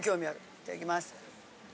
いただきます。